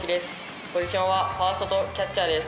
ポジションはファーストとキャッチャーです。